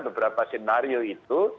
beberapa sinario itu